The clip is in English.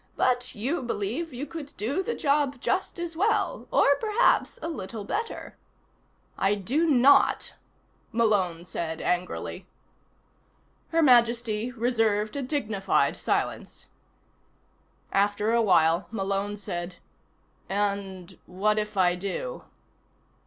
"But you believe you could do the job just as well, or perhaps a little better." "I do not," Malone said angrily. Her Majesty reserved a dignified silence. After a while Malone said: "And what if I do?"